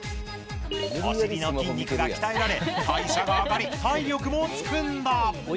お尻の筋肉が鍛えられ代謝が上がり体力もつくんだ。